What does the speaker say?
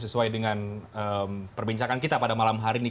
sesuai dengan perbincangan kita pada malam hari ini